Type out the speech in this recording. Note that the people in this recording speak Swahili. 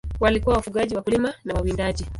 Walikuwa wafugaji, wakulima na wawindaji.